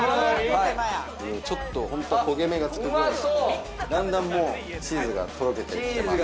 はいちょっと本当は焦げ目がつくぐらいだんだんもうチーズがとろけてきてます